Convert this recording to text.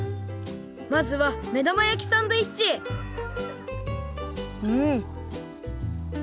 まずは目玉やきサンドイッチうん！